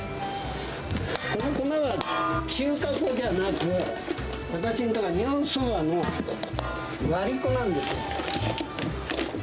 この粉は中華粉ではなく、私の所は日本そばの割り粉なんですよ。